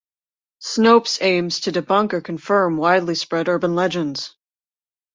Snopes aims to debunk or confirm widely spread urban legends.